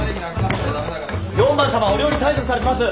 ４番様お料理催促されてます！